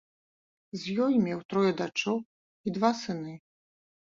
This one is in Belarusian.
З ёй меў трое дачок і два сыны.